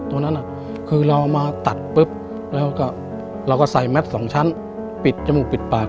ตัวนั้นคือเรามาตัดปุ๊บแล้วก็ใส่แม็ตสองชั้นปิดจมูกปิดปาก